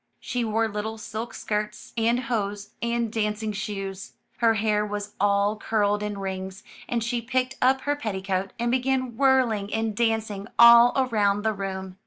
She wore little silk skirts, and hose, and dancing shoes. Her hair was all curled in rings, and she picked up her petticoat and began whirling and dancing all around the room.